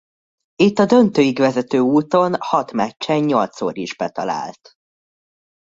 Itt a döntőig vezető úton hat meccsen nyolcszor is betalált.